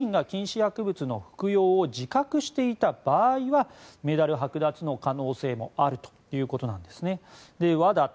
ワリエワ選手自身が禁止薬物の服用を自覚していた場合はメダルはく奪の可能性もあるということですね。